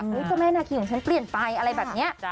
อุ๊ยจะแม่หน้าขี่ของฉันเปลี่ยนไปอะไรแบบนี้